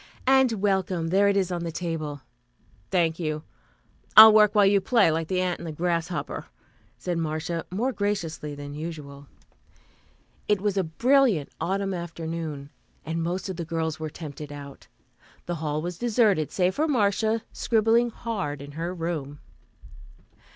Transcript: "And welcome. There it is on the table." "Thank you. I'll work while you play, like the ant and the grasshopper," said Marcia more graciously than usual. It was a brilliant autumn afternoon, and most of the girls were tempted out. The hall was deserted, save for Marcia, scribbling hard in her room.